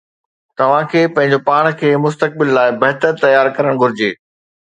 توهان کي پنهنجو پاڻ کي مستقبل لاءِ بهتر تيار ڪرڻ گهرجي